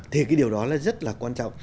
thì cái điều đó là rất là quan trọng